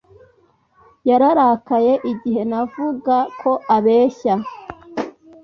Yararakaye igihe navuga ko abeshya